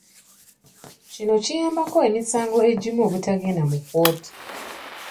Kino kiyambako emisango egimu obutagenda mu kkooti.